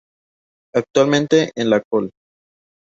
Actualmente en la Col.